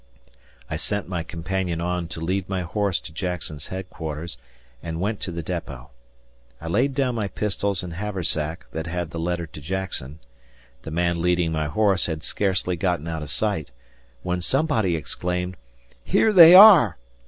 I sent my companion on to lead my horse to Jackson's headquarters and went to the depot. I laid down my pistols and haversack that had the letter to Jackson the man leading my horse had scarcely gotten out of sight when somebody exclaimed, "Here they are!"